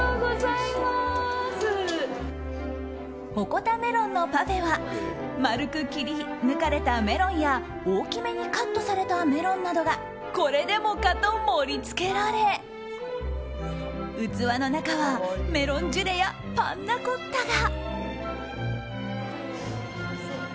ほこたメロンのパフェは丸く切り抜かれたメロンや大きめにカットされたメロンなどがこれでもかと盛り付けられ器の中はメロンジュレやパンナコッタが。